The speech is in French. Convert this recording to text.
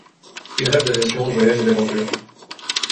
Il rêve d'aviation, de voyages et d'aventure.